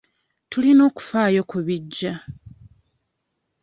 Tulina okufaayo ku bijja.